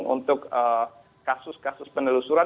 untuk kasus kasus penelusuran